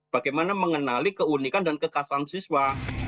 bagaimana mengenali keunikan dan kekasahan siswa